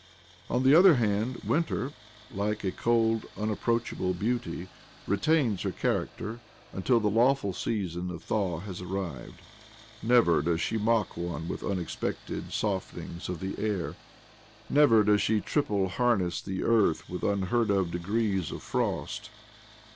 On the other hand. Winter, like a cold, unapproachable beauty, retains her character until the lawJ'ul season of thaw has arrived.. Never does she mock one with unexpected softenings of the air ; never does she triple harness the earth with unheard of degrees of frost.